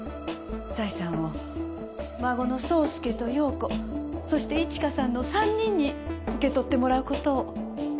財産を孫の宗介と葉子そして一華さんの３人に受け取ってもらうことを。